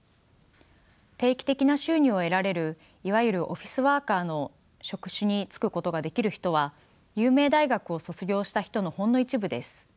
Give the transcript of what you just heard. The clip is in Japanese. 定期的な収入を得られるいわゆるオフィスワーカーの職種に就くことができる人は有名大学を卒業した人のほんの一部です。